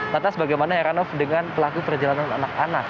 lantas bagaimana heranov dengan pelaku perjalanan anak anak